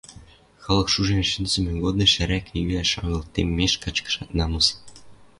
Халык шужен шӹнзӹмӹ годым ӓрӓкӓ йӱӓш агыл, теммеш качкашат намыс...